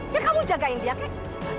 yuk kamu jagain dia kek